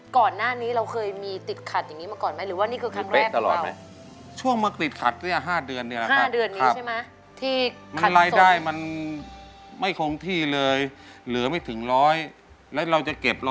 ก่อนหน้านี้เราเคยมีติดขัดอย่างนี้มาก่อนไหมหรือว่านี่คือครั้งแรกตลอดไหม